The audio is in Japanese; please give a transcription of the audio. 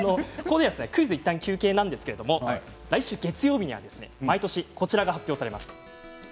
クイズはいったん休憩なんですが来週月曜日には毎年こちらが発表されます。